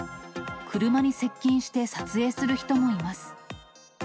車に接近して撮影する人もいます。